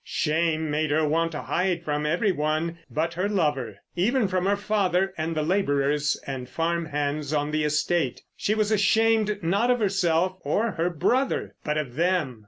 Shame made her want to hide from every one but her lover. Even from her father and the labourers and farm hands on the estate. She was ashamed—not of herself or her brother, but of them!